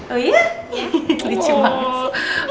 oh iya licu banget sih